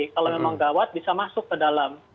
kalau memang gawat bisa masuk ke dalam